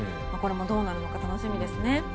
これもどうなるのか楽しみですね。